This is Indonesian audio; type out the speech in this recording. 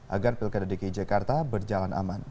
agar pilkada dki jakarta berjalan aman